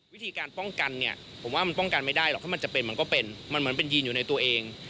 วิธีการป้องกันเนี่ยผมว่ามันป้องกันไม่ได้หรอกถ้ามันจะเป็นมันก็เป็นมันเหมือนเป็นยีนอยู่ในตัวเอง